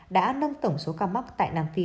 đã nâng tổng số ca mắc tại nam phi